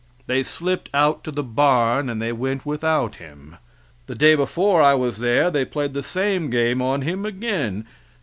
They slipped out to the barn and they went without him. The day before I was there they played the same game on him again.